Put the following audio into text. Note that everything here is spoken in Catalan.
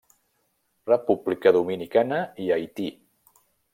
República Dominicana i Haití.